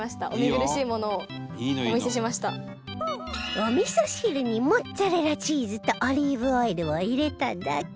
お味噌汁にモッツァレラチーズとオリーブオイルを入れただけ